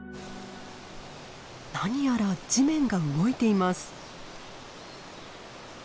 何やら地面が動いています。